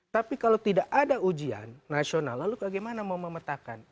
tapi kalau tidak ada ujian nasional lalu bagaimana mau memetakan